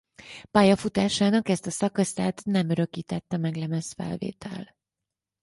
Pályafutásának ezt a szakaszát nem örökítette meg lemezfelvétel.